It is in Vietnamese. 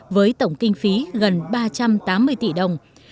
với tổng kinh phí gần ba trăm tám mươi tỷ đồng